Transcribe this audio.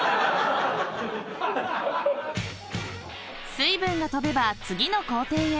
［水分が飛べば次の工程へ］